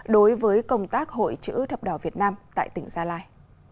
đối với công tác hội chữ thập đỏ việt nam tại tỉnh gia lai